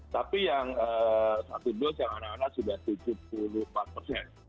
tapi yang satu dose yang anak anak sudah tujuh puluh empat persen